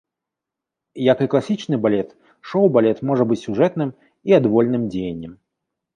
Як і класічны балет, шоу-балет можа быць сюжэтным і адвольным дзеяннем.